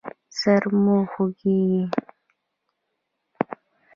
سر مو خوږیږي؟